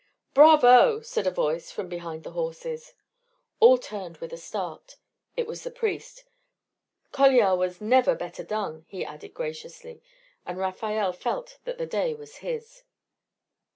"Bravo!" said a voice from behind the horses. All turned with a start. It was the priest. "Coliar was never better done," he added graciously; and Rafael felt that the day was his.